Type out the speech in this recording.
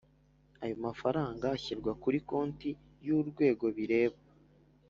Ayo mafaranga ashyirwa kuri konti y’Urwego bireba